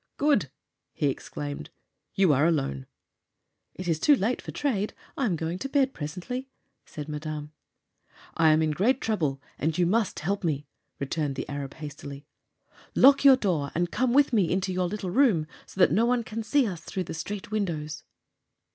"Good!" he exclaimed, "you are alone." "It is too late for trade. I am going to bed presently," said Madame. "I am in great trouble, and you must help me," returned the Arab, hastily. "Lock your door and come with me into your little room, so that no one can see us through the street windows."